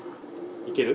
いける？